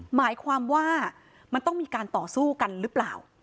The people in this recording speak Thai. หมายความว่ามันต้องมีการต่อสู้กันหรือเปล่า